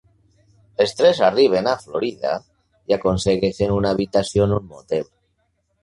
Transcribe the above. Els tres arriben a Florida i aconsegueixen una habitació en un motel.